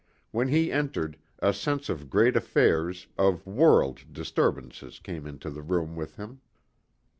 When he entered, a sense of great affairs, of world disturbances came into the room with him.